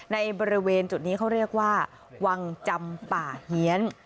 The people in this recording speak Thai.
ในบริเวณจุดนี้เขาเรียกว่าวังจำป่าเฮียน